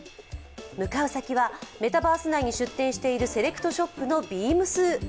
向かう先はメタバース内に設定しているセレクトショップのＢＥＡＭＳ。